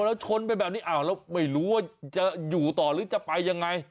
แล้วชนไปแบบนี้อ้าวแล้วไม่รู้ว่าจะอยู่ต่อหรือจะไปยังไง